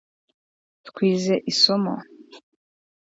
twize isomo